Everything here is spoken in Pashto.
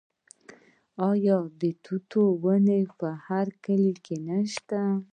آیا د توت ونې په هر کلي کې نشته؟